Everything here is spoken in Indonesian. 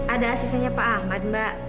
ada asistennya pak ahmad mbak